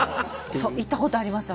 行ったことあります